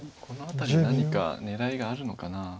この辺り何か狙いがあるのかな。